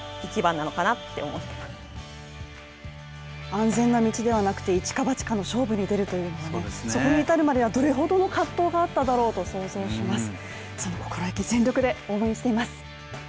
安全な道ではなくて一か八かの勝負に出るというそこに至るまではどれほどの葛藤があっただろうと想像します。